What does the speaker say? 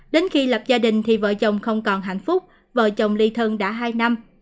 đến khi lập gia đình thì vợ chồng không còn hạnh phúc vợ chồng ly thân đã hai năm